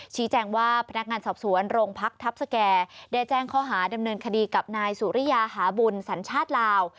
แจ้งข้อหาดำเนินคดีกับนายสุริยาหาบุญสัญชาติลาว